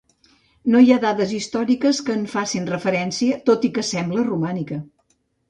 No hi ha dades històriques que en facin referència, tot i que sembla romànica.